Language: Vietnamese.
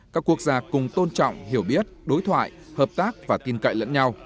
các quốc gia cùng tôn trọng hiểu biết đối thoại hợp tác và tin cậy lẫn nhau